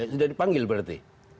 sudah dipanggil berarti